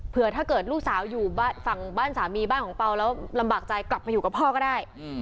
เพื่อถ้าเกิดลูกสาวอยู่ฝั่งบ้านสามีบ้านของเปล่าแล้วลำบากใจกลับมาอยู่กับพ่อก็ได้